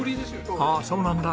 ああそうなんだ。